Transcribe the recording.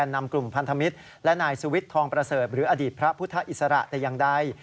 นำกลุ่มพันธมิตรและนายสุวิทย์ทองประเสริฐหรืออดีตพระพุทธอิสระแต่อย่างใด